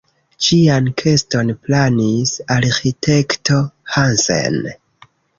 Ĝian keston planis arĥitekto Hansen.